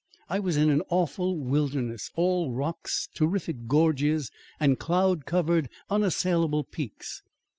I was in an awful wilderness, all rocks, terrific gorges and cloud covered, unassailable peaks.